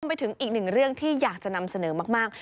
ไปถึงอีกหนึ่งเรื่องที่อยากจะนำเสนอมาก